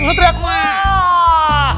ustaz teriak wah